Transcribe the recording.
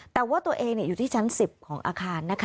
แต่ว่าตัวเองอยู่ที่ชั้น๑๐ของอาคารนะคะ